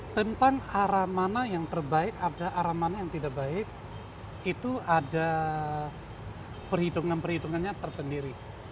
tentang arah mana yang terbaik ada arah mana yang tidak baik itu ada perhitungan perhitungannya tersendiri